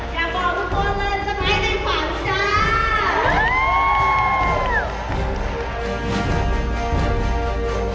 อยากบอกทุกคนเลยสมัยในฝั่งจ้า